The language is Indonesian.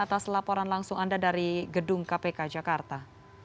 atas laporan langsung anda dari gedung kpk jakarta